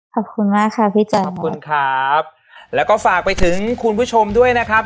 ขอบคุณมากค่ะพี่จ๋อขอบคุณครับแล้วก็ฝากไปถึงคุณผู้ชมด้วยนะครับ